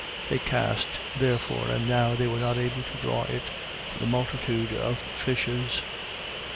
They cast therefore: and now they were not able to draw it, for the multitude of fishes.